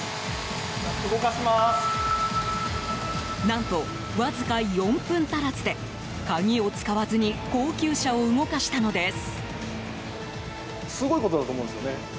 何と、わずか４分足らずで鍵を使わずに高級車を動かしたのです。